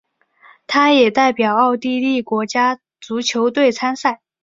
他也代表奥地利国家足球队参赛。